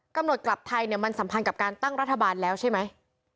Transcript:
๓กำหนดกลับไทยมันสัมพันธ์กับการตั้งรัฐบาลแล้วใช่ไหม